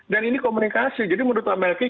dan ini komunikasi jadi menurut pak melky